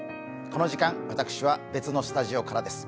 この時間、私は別のスタジオからです。